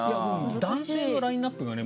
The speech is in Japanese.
男性のラインアップがね